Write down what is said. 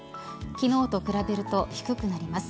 昨日と比べると低くなります。